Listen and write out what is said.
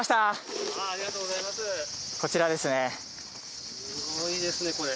こちらですね。